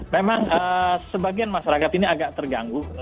memang sebagian masyarakat ini agak terganggu